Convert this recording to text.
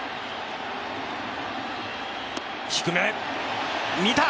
低め、見た。